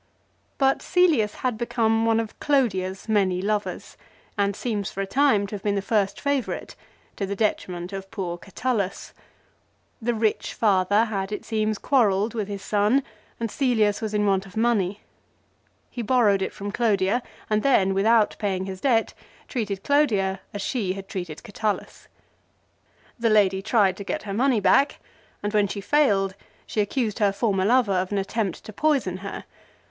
But Cselius had become one of Clodia's many lovers, and seems for a time to have been the first favourite, to the detriment of poor Catullus. The rich father had, it seems, quarrelled with his son, and Cselius was in want of money. He borrowed it from Clodia, and then, without paying his debt, treated Clodia as she had treated Catullus. The lady tried to get her money back, and when she failed, she accused her former lover of an attempt to poison her.